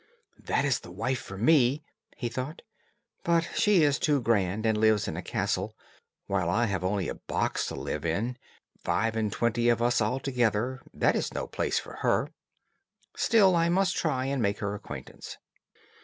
"That is the wife for me," he thought; "but she is too grand, and lives in a castle, while I have only a box to live in, five and twenty of us altogether, that is no place for her. Still I must try and make her acquaintance."